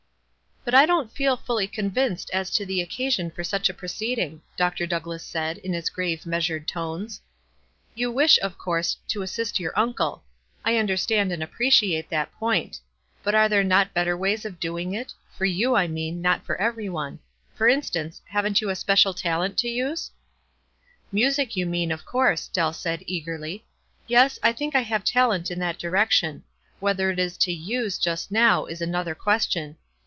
"But I don't feel fully convinced as to the oc casion for such a proceeding," Dr. Douglass said, in his grave, measured tones. "You wish, of course, to assist your uncle. I understand and appreciate that point; but are there not better ways of doing it — for you, I mean, not for every one. For instance, haven't you a special talent to use?" "Music, you mean, of course," Dell said, eagerly. "Yes, I think I have talent in that direction. Whether it is to use just now is another question.